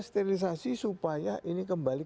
sterilisasi supaya ini kembali